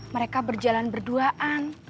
mereka berjalan berduaan